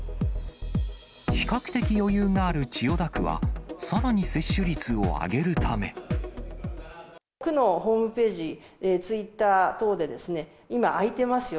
比較的余裕がある千代田区は、区のホームページ、ツイッター等で、今、空いてますよ。